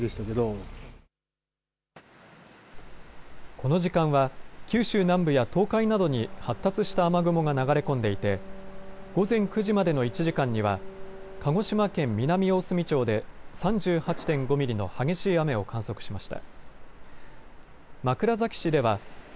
この時間は九州南部や東海などに発達した雨雲が流れ込んでいて午前９時までの１時間には鹿児島県南大隅町で３８．５ミリの激しい雨を観測しました。